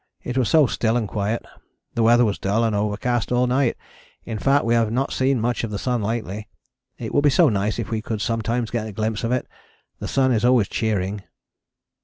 It was so still and quiet; the weather was dull and overcast all night, in fact we have not seen much of the sun lately; it would be so nice if we could sometimes get a glimpse of it, the sun is always cheering.